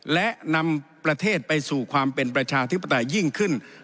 และนำประเทศไปสู่ความเป็นประชาธิปไตยยิ่งขึ้น